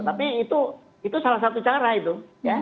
tapi itu itu salah satu cara itu ya